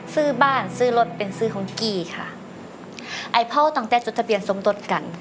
ซื้อบ้านซื้อรถเป็นซื้อของกี้ค่ะไอ้พ่อตั้งแต่จดทะเบียนสมรสกัน